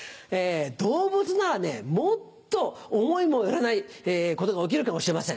動物ならねもっと思いも寄らないことが起きるかもしれません。